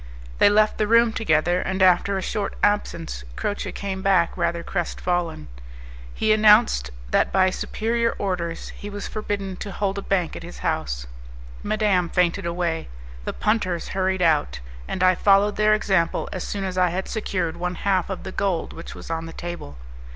They left the room together, and after a short absence Croce came back rather crestfallen; he announced that by superior orders he was forbidden to hold a bank at his house. Madame fainted away, the punters hurried out, and I followed their example, as soon as I had secured one half of the gold which was on the table.